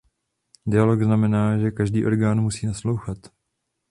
Dialog znamená, že každý orgán musí naslouchat.